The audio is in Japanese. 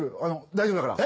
大丈夫だから。